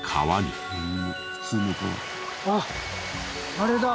あっあれだ！